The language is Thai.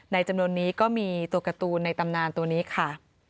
จำนวนนี้ก็มีตัวการ์ตูนในตำนานตัวนี้ค่ะ